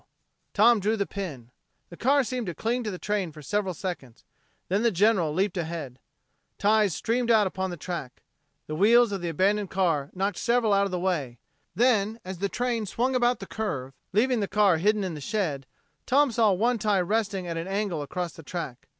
Tom drew the pin. The car seemed to cling to the train for several seconds; then the General leaped ahead. Ties streamed out upon the track. The wheels of the abandoned car knocked several out of the way; then, as the train swung about the curve, leaving the car hidden in the shed, Tom saw one tie resting at an angle across the track.